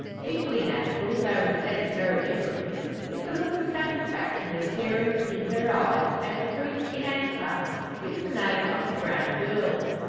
Equally natural, though in a sense very different, is the look of satisfaction appearing in her eyes, as the priest in answer gives the name of the drowned girl.